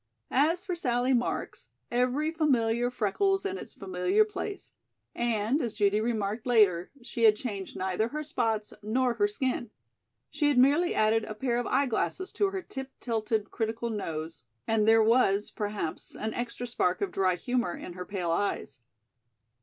As for Sallie Marks, every familiar freckle was in its familiar place, and, as Judy remarked later, she had changed neither her spots nor her skin. She had merely added a pair of eye glasses to her tip tilted critical nose and there was, perhaps, an extra spark of dry humor in her pale eyes.